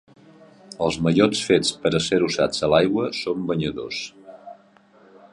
Els mallots fets per a ser usats a l'aigua són banyadors.